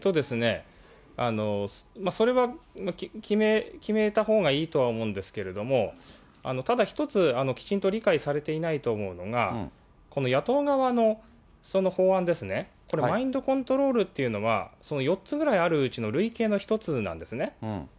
それは決めたほうがいいとは思うんですけれども、ただ一つ、きちんと理解されていないと思うのが、この野党側の法案ですね、これ、マインドコントロールというのは、４つぐらいあるうちの累計の１つなんですね。